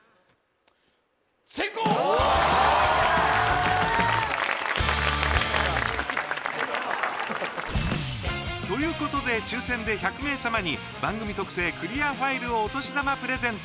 おお。ということで抽選で１００名さまに番組特製クリアファイルをお年玉プレゼント。